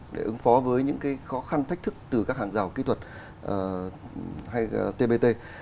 để ứng phó với những khó khăn thách thức từ các hàng rào kỹ thuật hay tbt